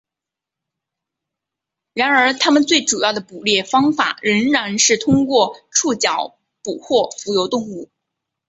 然而它们最主要的捕猎方法仍然是通过触角捕获浮游动物。